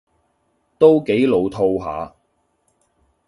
都幾老套吓